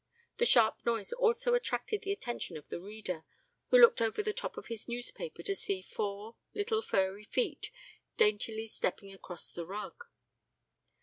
The sharp noise also attracted the attention of the reader, who looked over the top of his newspaper to see four little furry feet daintily stepping across the rug.